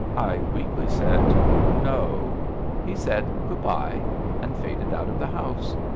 I weakly said No.'* He said: Good bye,'' and faded out of the house.